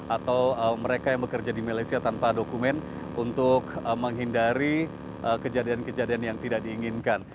atau mereka yang bekerja di malaysia tanpa dokumen untuk menghindari kejadian kejadian yang tidak diinginkan